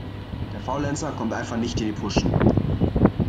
Der Faulenzer kommt einfach nicht in die Puschen.